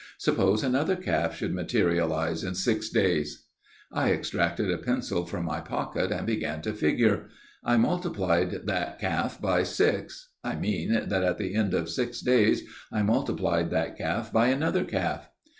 Suppose another calf should materialize in six days.' I extracted a pencil from my pocket and began to figure. I multiplied that calf by six I mean that at the end of six days I multiplied that calf by another calf.